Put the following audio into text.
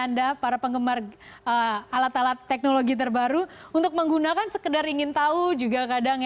anda para penggemar alat alat teknologi terbaru untuk menggunakan sekedar ingin tahu juga kadang